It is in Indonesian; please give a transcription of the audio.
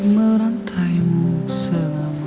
merantai mu selama